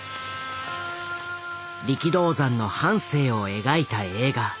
力道山の半生を描いた映画。